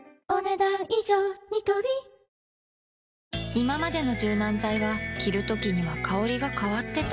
いままでの柔軟剤は着るときには香りが変わってた